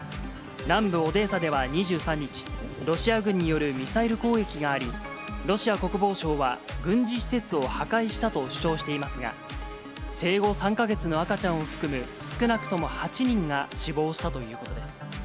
南部オデーサでは２３日、ロシア軍によるミサイル攻撃があり、ロシア国防省は、軍事施設を破壊したと主張していますが、生後３か月の赤ちゃんを含む、少なくとも８人が死亡したということです。